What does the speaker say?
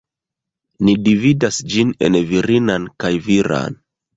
Ni dividas ĝin en virinan kaj viran.